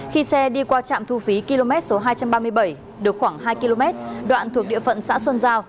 khi xe đi qua trạm thu phí km số hai trăm ba mươi bảy được khoảng hai km đoạn thuộc địa phận xã xuân giao